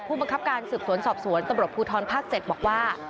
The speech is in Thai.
บังคับการสืบสวนสอบสวนตำรวจภูทรภาค๗บอกว่า